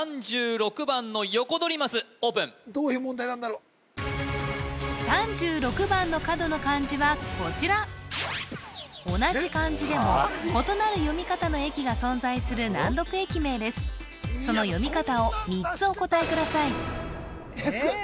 ３６番のヨコドリマスオープンどういう問題なんだろう３６番の角の漢字はこちら同じ漢字でも異なる読み方の駅が存在する難読駅名ですその読み方を３つお答えくださいいや